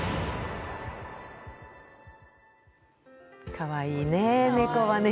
かわいいね、猫はね。